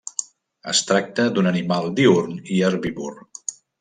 Es tracta d'un animal diürn i herbívor.